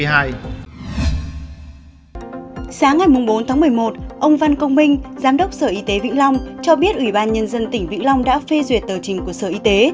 sáng ngày bốn tháng một mươi một ông văn công minh giám đốc sở y tế vĩnh long cho biết ủy ban nhân dân tỉnh vĩnh long đã phê duyệt tờ trình của sở y tế